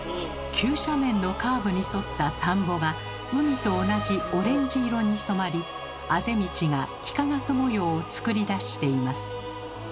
急斜面のカーブに沿った田んぼが海と同じオレンジ色に染まりあぜ道が幾何学模様を作り出しています。